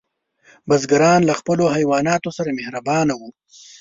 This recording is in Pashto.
بزګران له خپلو حیواناتو سره مهربانه وو.